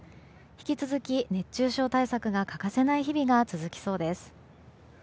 引き続き熱中症対策が欠かせない日々が続きそうです。